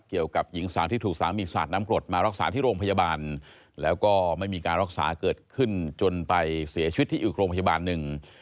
เกี่ยวกับหญิงสาวที่ถูกสามีสาดน้ำกรดมารักษาที่โรงพยาบาลแล้วก็ไม่มีการรักษาเกิดขึ้นจนไปเสียชีวิตที่อีกโรงพยาบาลหนึ่ง